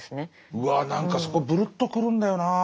うわ何かそこぶるっとくるんだよな。